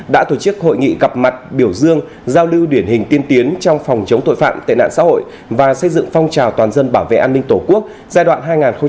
đã tổ chức hội nghị gặp mặt biểu dương giao lưu điển hình tiên tiến trong phòng chống tội phạm tệ nạn xã hội và xây dựng phong trào toàn dân bảo vệ an ninh tổ quốc giai đoạn hai nghìn một mươi chín hai nghìn hai mươi bốn